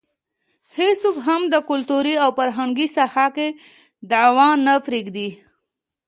هېڅوک هم د کلتوري او فرهنګي ساحه کې دعوه نه پرېږدي.